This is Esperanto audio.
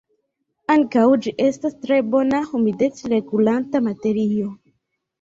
Ankaŭ, ĝi estas tre bona humidec-regulanta materio.